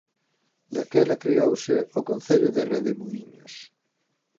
Daquela creouse o concello de Redemuíños.